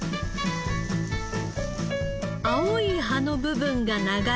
青い葉の部分が長い